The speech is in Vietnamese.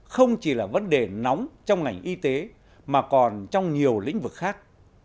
không chỉ là vấn đề nóng trong ngành y tế mà còn trong nhiều lĩnh vực khác